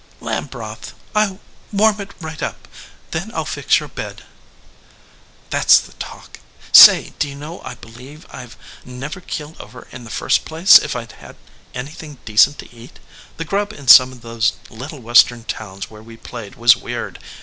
"Lamb broth. I ll warm it right up. Then I ll fix your bed." "That s the talk. Say, do you know I believe I d never keeled over in the first place if I d had anything decent to eat. The grub in some of those little Western towns where we played was weird.